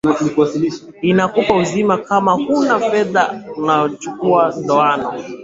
Inakupa uzima Kama huna fedha unachukua ndoano